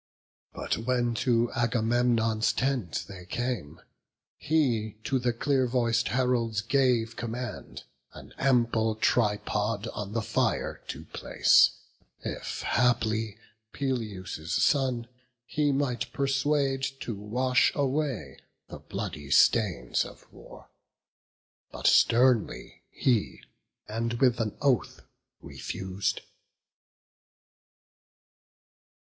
But when to Agamemnon's tent they came, He to the clear voic'd heralds gave command An ample tripod on the fire to place; If haply Peleus' son he might persuade To wash away the bloody stains of war: But sternly he, and with an oath refus'd.